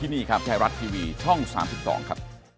นี่แค่รัทท์ทีวีช่อง๓๒ครับ